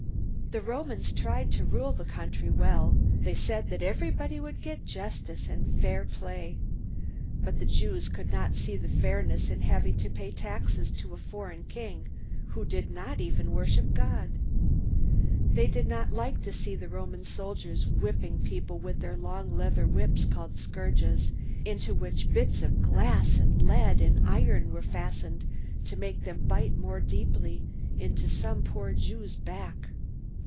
The Romans tried to rule the country well. They said that everybody would get justice and fair play. But the Jews could not see the fairness in having to pay taxes to a foreign king who did not even worship God. They did not like to see Roman soldiers whipping people with long leather whips called scourges, into which bits of glass and lead and iron were fastened to make them bite more deeply into some poor Jew's back.